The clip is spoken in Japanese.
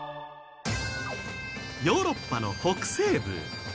ヨーロッパの北西部。